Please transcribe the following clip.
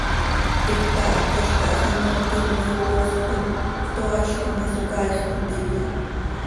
Hita hácalca hax an ooquim coi poosj com cötoaailc oo ma, Socaaix contiya.